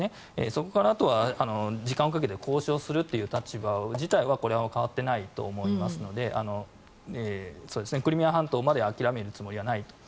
そこからあとは、時間をかけて交渉するという立場自体はこれは変わっていないと思いますのでクリミア半島まで諦めるつもりはないと。